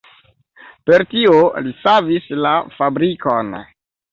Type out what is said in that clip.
Per tio li savis la fabrikon.